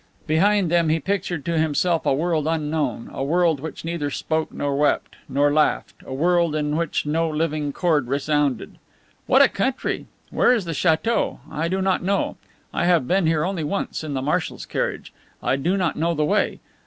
Behind them he pictured to himself a world unknown, a world which neither spoke nor wept, nor laughed, a world in which no living chord resounded. "What a country! 'Where is the chateau? I do not know; I have been here only once, in the marshal's carriage. I do not know the way.